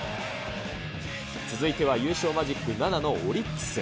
続いては優勝マジック７のオリックス。